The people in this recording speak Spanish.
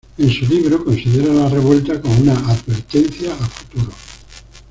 En su libro considera la revuelta como una advertencia a futuro.